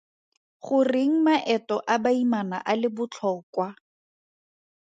Goreng maeto a baimana a le botlhokwa?